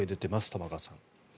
玉川さん。